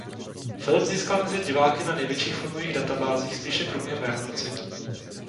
Film získal mezi diváky na největších filmových databázích spíše průměrné hodnocení.